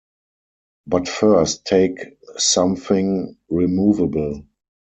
But first take something removable.